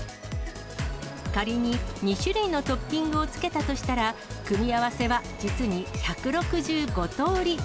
仮に２種類のトッピングをつけたとしたら、組み合わせは実に１６５通り。